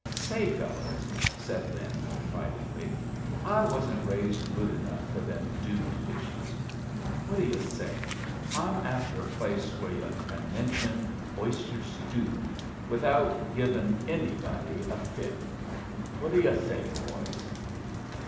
"Say, fellows," said Lin, confidingly, "I wasn't raised good enough for them dude dishes. What do yu' say! I'm after a place where yu' can mention oyster stoo without givin' anybody a fit. What do yu' say, boys?"